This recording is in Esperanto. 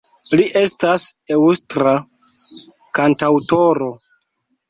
Li estas aŭstra kantaŭtoro.